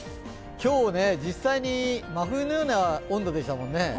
今日、実際に真冬のような温度でしたもんね。